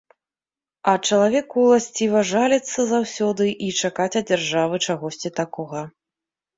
А чалавеку ўласціва жаліцца заўсёды і чакаць ад дзяржавы чагосьці такога.